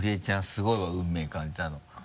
すごいわ運命感じたの。